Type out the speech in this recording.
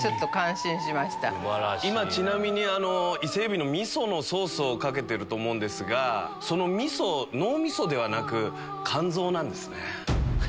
今伊勢海老のみそのソースをかけてると思うんですがそのみそ脳みそではなく肝臓なんですね。